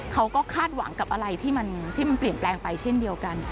เขาก็คาดหวังกับอะไรที่มันเปลี่ยนแปลงไปเช่นเดียวกัน